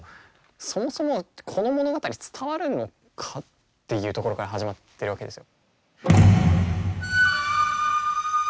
そもそもこの物語伝わるのかっていうところから始まってるわけですよ。